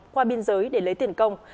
qua biên giới để lấy tiền công